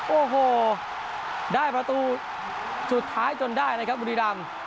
โอ้โหได้ประตูสุดท้ายจนได้นะครับบุรีรำ